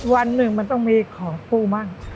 วันหนึ่งมันต้องมีของกู้มั่ง